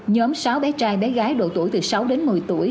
nhóm sáu bé trai bé gái độ tuổi từ sáu đến một mươi tuổi